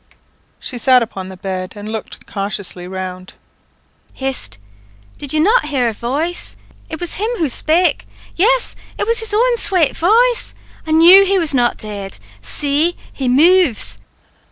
She sat upon the bed, and looked cautiously round "Hist! did not you hear a voice? It was him who spake yes it was his own swate voice. I knew he was not dead. See, he moves!"